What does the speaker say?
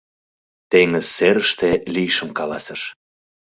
Теҥыз серыште лийшым каласыш.